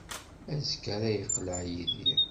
Azekka ara yeqleɛ Yidir.